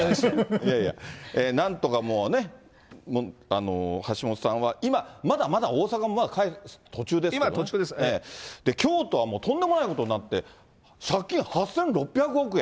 いやいや、なんとかもうね、橋下さんは今、まだまだ大阪も途中ですけど、京都はもうとんでもないことになって、借金８６００億円？